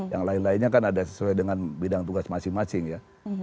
yang lain lainnya kan ada sesuai dengan bidang tugas masing masing ya